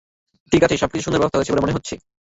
ঠিক আছে, সবকিছুর সুন্দর ব্যবস্থা হয়েছে বলে মনে হচ্ছে।